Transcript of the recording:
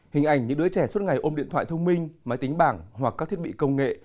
hình ảnh những đứa trẻ suốt ngày ôm điện thoại thông minh máy tính bảng hoặc các thiết bị công nghệ